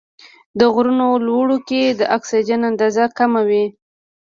د غرونو لوړو کې د اکسیجن اندازه کمه وي.